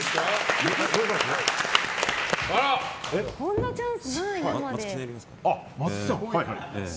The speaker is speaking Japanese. こんなチャンスない、生で。